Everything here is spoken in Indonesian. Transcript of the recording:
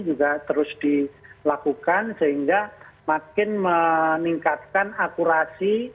juga terus dilakukan sehingga makin meningkatkan akurasi